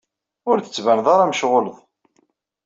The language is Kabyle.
Ur d-tettbaneḍ ara mecɣuleḍ.